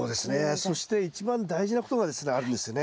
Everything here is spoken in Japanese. そして一番大事なことがですねあるんですよね。